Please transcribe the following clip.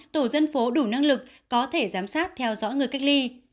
tổ dân phố đủ năng lực có thể giám sát theo dõi người cách ly